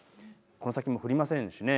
この先も降りませんしね。